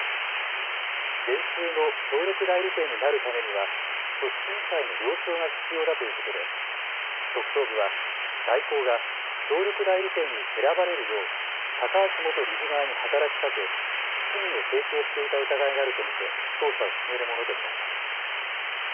電通の協力代理店になるためには組織委員会の了承が必要だということで特捜部は大広が協力代理店に選ばれるよう高橋元理事側に働きかけ資金を提供していた疑いがあると見て捜査を進めるものと見られます。